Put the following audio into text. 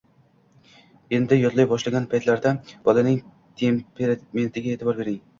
Endi yodlay boshlagan paytlarida bolaning temperamentiga eʼtibor bering.